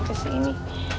gak ada siapa sih ini